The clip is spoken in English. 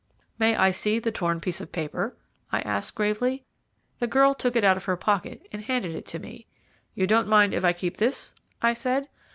"May I see the torn piece of paper?" I asked gravely. The girl took it out of her pocket and handed it to me. "You don't mind if I keep this?" I said.